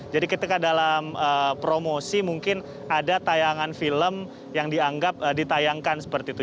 jadi ketika dalam promosi mungkin ada tayangan film yang ditayangkan seperti itu